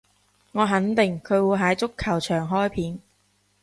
我肯定佢會喺足球場開片